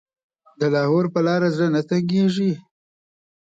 د لاهور په لاره زړه نه تنګېږي.